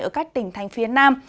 ở các tỉnh thành phía nam